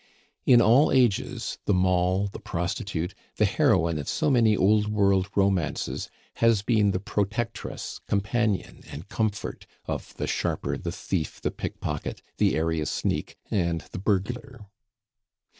In all ages the moll, the prostitute, the heroine of so many old world romances, has been the protectress, companion, and comfort of the sharper, the thief, the pickpocket, the area sneak, and the burglar.